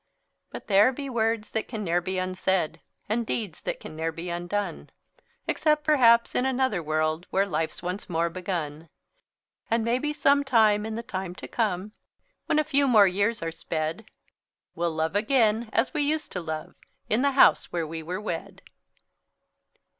But there be words can ne'er be unsaid, And deeds can ne'er be undone, Except perhaps in another world, Where life's once more begun. And maybe some time in the time to come, When a few more years are sped, We'll love again as we used to love, In the house where we were wed.